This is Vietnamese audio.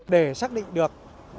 để xác định được